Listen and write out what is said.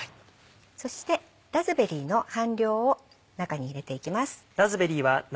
そしてラズベリーの半量を中に入れていきます。